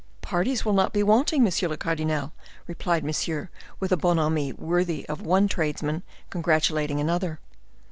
"Parties will not be wanting, monsieur le cardinal," replied Monsieur, with a bonhomie worthy of one tradesman congratulating another.